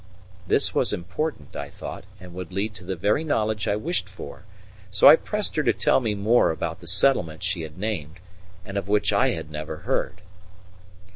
This was important, I thought, and would lead to the very knowledge I wished for; so I pressed her to tell me more about the settlement she had named, and of which I had never heard.